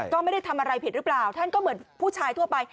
ก็ไม่ได้ทำอะไรผิดหรือเปล่าท่านก็เหมือนผู้ชายทั่วไป